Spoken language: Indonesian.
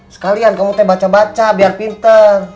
sekalian kamu saya baca baca biar pinter